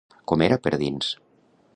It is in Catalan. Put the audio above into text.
Com era per dins?